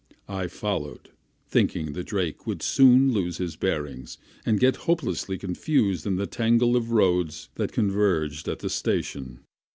I followed, thinking the drake would soon lose his bearings, and get hopelessly confused in the tangle of roads that converged at the station.